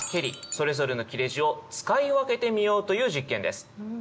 それぞれの切れ字を使い分けてみようという実験です。